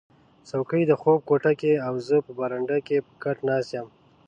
څوکی د خوب کوټه کې او زه په برنډه کې په کټ ناست یم